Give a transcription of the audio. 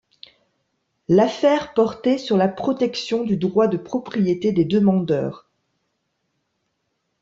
L’affaire portait sur la protection du droit de propriété des demandeurs.